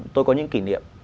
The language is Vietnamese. tôi có những kỷ niệm